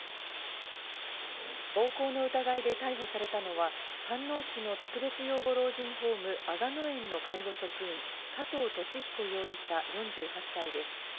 暴行の疑いで逮捕されたのは、飯能市の特別養護老人ホーム、吾野園の介護職員、加藤としひこ容疑者４８歳です。